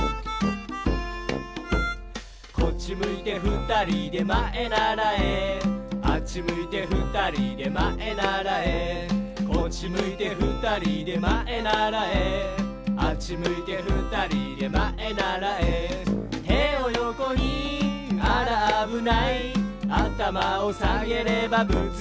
「こっちむいてふたりでまえならえ」「あっちむいてふたりでまえならえ」「こっちむいてふたりでまえならえ」「あっちむいてふたりでまえならえ」「てをよこにあらあぶない」「あたまをさげればぶつかりません」